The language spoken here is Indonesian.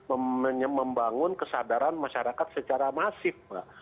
untuk membangun kesadaran masyarakat secara masif mbak